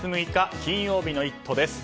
金曜日の「イット！」です。